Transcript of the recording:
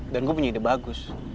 dan gue punya ide bagus